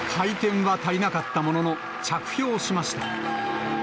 回転は足りなかったものの、着氷しました。